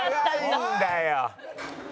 長いんだよ！